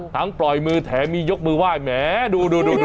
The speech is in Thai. ทั้งปล่อยมือแถมียกมือไหว้แหมดู